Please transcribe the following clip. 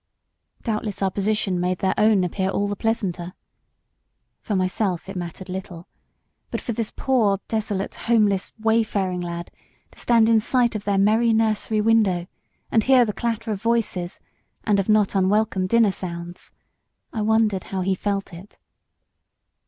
Doubtless our position made their own appear all the pleasanter. For myself it mattered little; but for this poor, desolate, homeless, wayfaring lad to stand in sight of their merry nursery window, and hear the clatter of voices, and of not unwelcome dinner sounds I wondered how he felt it.